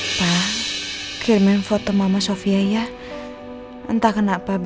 masa itu aku akan wol